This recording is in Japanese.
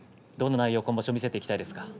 どんな内容を今場所、見せていきたいですか？